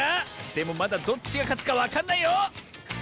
でもまだどっちがかつかわかんないよ！